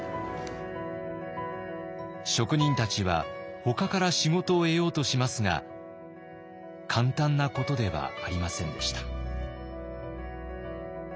職人たちはほかから仕事を得ようとしますが簡単なことではありませんでした。